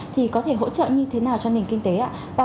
thì có thể hỗ trợ như thế nào cho nền kinh tế ạ